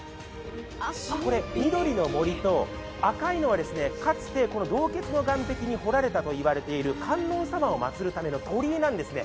これ、緑の森と赤いのはかつて洞穴の岸壁にほられたとされている観音様を祭るための鳥居なんですね。